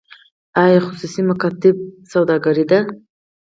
آیا خصوصي مکاتب سوداګري ده؟